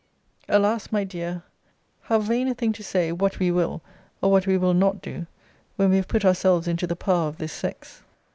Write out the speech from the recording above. Alas! my dear, how vain a thing to say, what we will, or what we will not do, when we have put ourselves into the power of this sex!